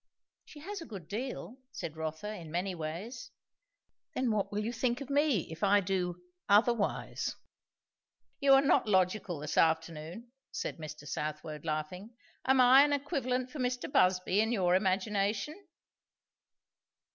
"She has a good deal," said Rotha, "in many ways. Then what will you think of me, if I do 'otherwise'?" "You are not logical this afternoon," said Mr. Southwode laughing. "Am I an equivalent for Mr. Busby, in your imagination?"